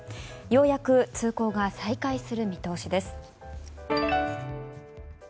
ようやく通行が再開する見通しです。